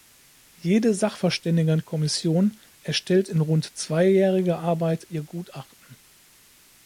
Jede Sachverständigenkommission erstellt in rund zweijähriger Arbeit ihr Gutachten.